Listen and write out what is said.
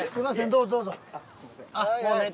どうぞどうぞ。